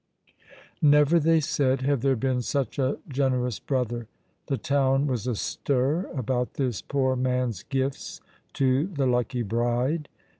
Never, they said, had there been such a generous brother. The town was astir about this poor man's gifts to the lucky bride.